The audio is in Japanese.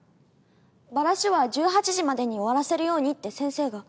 バラシは１８時までに終わらせるようにって先生が。